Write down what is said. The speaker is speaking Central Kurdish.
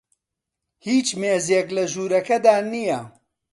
هیچ مێزێک لە ژوورەکەدا نییە.